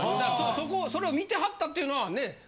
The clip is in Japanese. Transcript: そこをそれを見てはったっていうのはね。